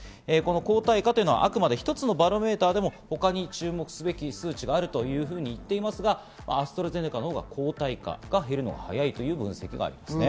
抗体価というのはあくまで一つのバロメーターで、他にも注目すべき数値があると言っていますが、アストラゼネカのほうが抗体量が減るのが早いというニュースがあります。